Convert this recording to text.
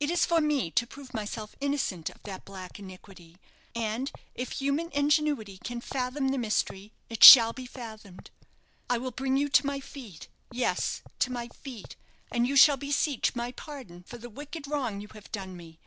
It is for me to prove myself innocent of that black iniquity; and if human ingenuity can fathom the mystery, it shall be fathomed. I will bring you to my feet yes, to my feet; and you shall beseech my pardon for the wicked wrong you have done me.